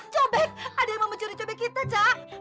cobek ada yang mau mencuri cobek kita cak